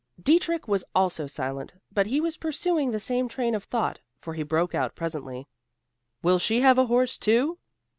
Dietrich was also silent: but he was pursuing the same train of thought, for he broke out presently, "Will she have a horse too?"